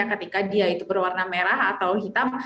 ketika dia itu berwarna merah atau hitam